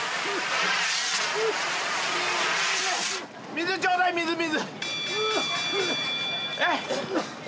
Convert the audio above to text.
水ちょうだい水水！